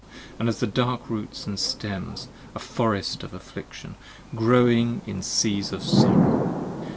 nd as dark roots and stems: a Forest of affliction: growing In seas of sorrow.